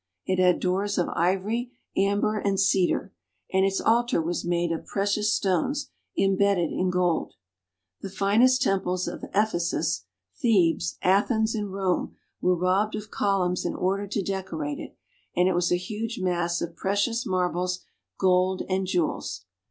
It had doors of ivory, amber, and cedar, and its altar was made of precious stones, embedded in gold. The finest temples of Ephesus, Thebes, Athens, and Rome were robbed of columns in 376 TURKEY. order to decorate it, and it was a huge mass of precious marbles, gold, and jewels.